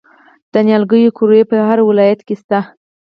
د نیالګیو قوریې په هر ولایت کې شته.